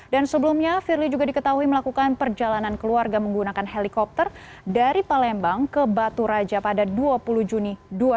dan sebelumnya firly juga diketahui melakukan perjalanan keluarga menggunakan helikopter dari palembang ke batu raja pada dua puluh juni dua ribu dua puluh satu